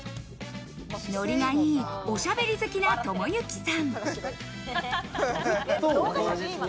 ノリがいい、おしゃべり好きな友行さん。